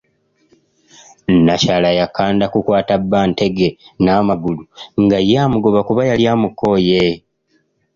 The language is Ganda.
Nnakyala yakanda kukwata bba ntege n'amagulu nga ye amugoba kuba yali amukooye.